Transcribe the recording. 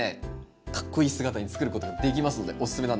かっこいい姿につくることできますのでおすすめなんです。